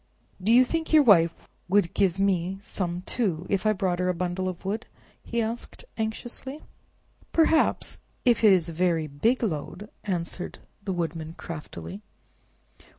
"Do you think your Wife would give mite some, too, if I brought her a bundle of wood?" he asked anxiously. "Perhaps; if it is a very big load," answered the Woodman craftily.